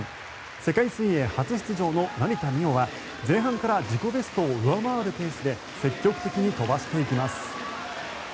世界水泳初出場の成田実生は前半から自己ベストを上回るペースで積極的に飛ばしていきます。